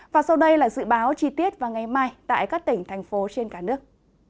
và sau đây là dự báo chi tiết vào ngày mai tại các tỉnh thành phố trên cả nước